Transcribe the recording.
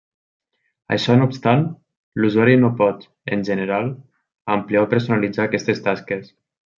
Això no obstant, l'usuari no pot, en general, ampliar o personalitzar aquestes tasques.